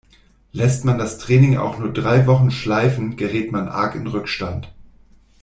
Lässt man das Training auch nur drei Wochen schleifen, gerät man arg in Rückstand.